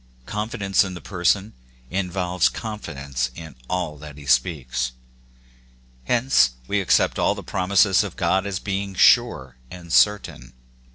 Confi dence in the Person involves confidence in all that he speaks: hence we accept all the promises of God as being sure and certain.